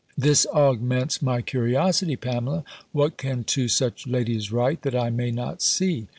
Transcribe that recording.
"This augments my curiosity, Pamela. What can two such ladies write, that I may not see?"